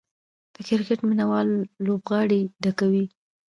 د کرکټ مینه وال لوبغالي ډکوي.